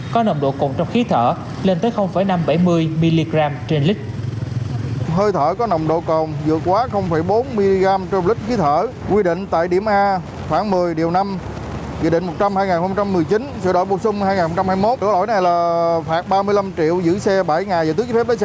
có nồng độ cồn trong khí thở lên tới năm trăm bảy mươi mg trên lít